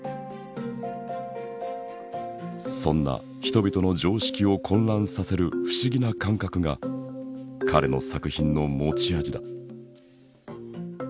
そんな人々の常識を混乱させる不思議な感覚が彼の作品の持ち味だ。